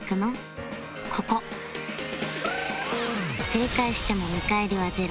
正解しても見返りはゼロ